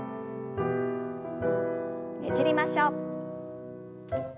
ねじりましょう。